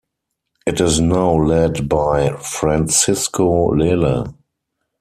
It is now led by Francisco Lele.